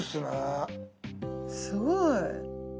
すごい！